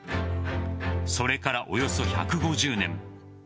それからおよそ１５０年。